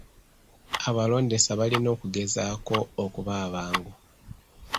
Abalondesa balina okugezaako okuba abangu.